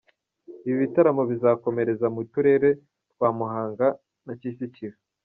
Ibi bitaramo bizakomereza mu turere twa Muhanga na Kicukiro.